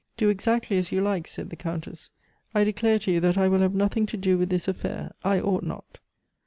"Do exactly as you like," said the Countess. "I declare to you that I will have nothing to do with this affair. I ought not."